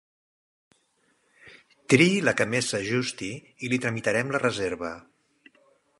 Trii la que més s'ajusti i li tramitarem la reserva.